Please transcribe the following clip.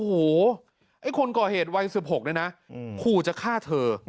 โอ้โหไอ้คนก่อเหตุวัย๑๖เนี่ยนะขู่จะฆ่าเธอ